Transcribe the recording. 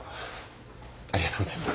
ありがとうございます。